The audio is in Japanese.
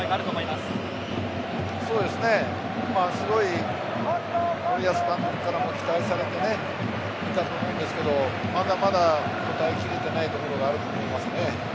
すごく森保監督からも期待されていたと思うんですがまだまだ応えきれていないところがあると思いますね。